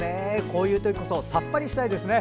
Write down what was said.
こういうときこそさっぱりしたいですね。